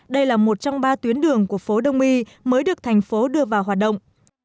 đây là một trong ba tuyến đường của phố đông y mới được thành phố đưa vào hoạt động